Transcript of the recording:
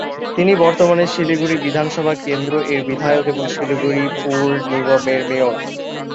তিনি বর্তমানে শিলিগুড়ি বিধানসভা কেন্দ্র এর বিধায়ক এবং শিলিগুড়ি পুর নিগমের মেয়র।